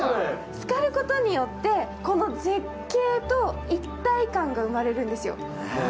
つかることによって、この絶景と一体感が生まれるんですよ。